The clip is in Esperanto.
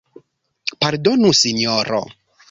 Pardonu Sinjoro!